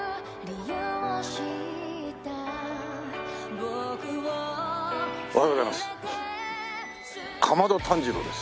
『紅蓮華』おはようございます。